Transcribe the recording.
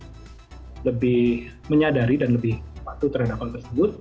untuk lebih menyadari dan lebih bantu terhadap hal tersebut